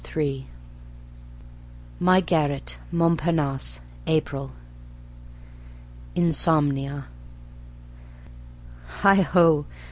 III My Garret, Montparnasse, April. Insomnia Heigh ho!